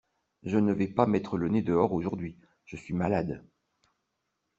Je ne vais pas mettre le nez dehors aujourd'hui, je suis malade.